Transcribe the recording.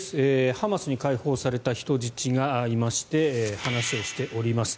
ハマスに解放された人質がいまして話をしております。